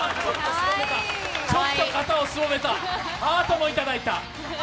ちょっと肩をすぼめた、ハートもいただいた。